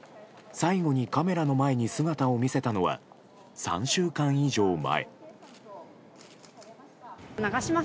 最後にカメラの前に姿を見せたのは３週間以上前。